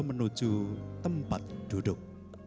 menuju tempat duduk